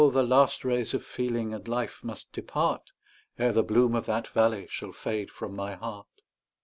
the last rays of feeling and life must depart, Ere the bloom of that valley shall fade from my heart.